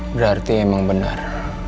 berarti emang benar